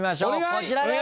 こちらです！